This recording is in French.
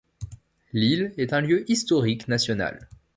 L'île est un lieu historique national.